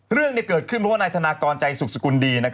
เรื่องเกิดขึ้นเพราะว่านายธนากรใจสุขสกุลดี